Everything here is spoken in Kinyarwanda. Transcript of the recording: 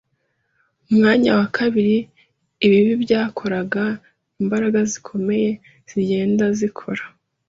Umwanya wa kabiri, ibibi byakoraga - imbaraga zikomeye zigenda zikora